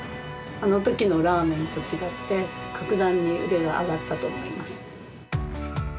あのときのラーメンと違って、格段に腕が上がったと思います。